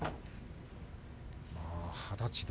二十歳で。